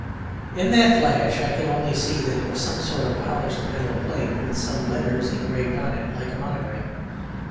In that flash I could only see that it was some sort of polished metal plate, with some letters engraved on it like a monogram.